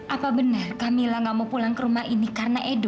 apa benar camillah nggak mau pulang ke rumah ini karena edo